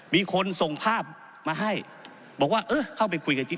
มีคนส่งภาพมาให้บอกว่าเออเข้าไปคุยกับจิ๊